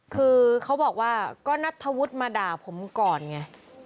คือเขาบอกว่าก็นัทธวุฒิมาด่าผมก่อนไง